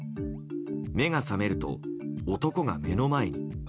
目が覚めると、男が目の前に。